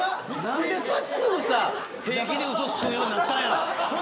何ですぐさ、平気でうそつくようになったんや。